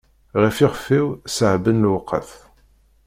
Ɣef yixef-iw ṣeεben lewqat.